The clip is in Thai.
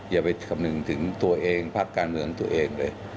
อย่าไปคำนึงถึงตัวเองพักการเมืองตัวเองเลย